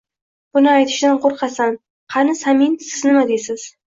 Buni aytishidan qoʻrqasan. Qani, Samin, siz nima deysiz?